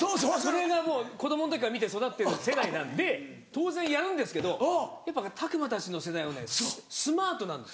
それが子供の時から見て育ってる世代なんで当然やるんですけどやっぱ拓篤たちの世代はねスマートなんです。